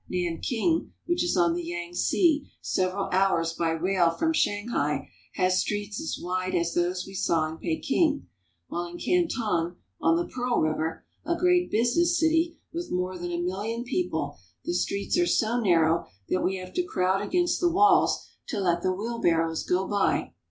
Nanking, which is on the Yangtze several hours by rail from Shanghai, has streets as wide as those we saw in Peking ; while in Canton, on the Pearl River, a great business city with more than a million people, the streets are so narrow that we have to crowd against the walls to let the wheelbarrows go by.